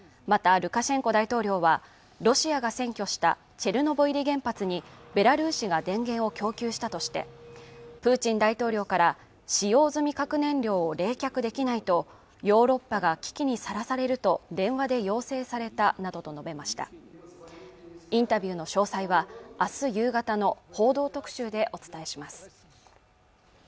またルカシェンコ大統領はロシアが占拠したチェルノブイリ原発にベラルーシが電源を供給したとしてプーチン大統領から使用済み核燃料を冷却できないとヨーロッパが危機にさらされると電話で要請されたなどと述べましたインタビューの詳細は明日夕方の報道特集でお伝えします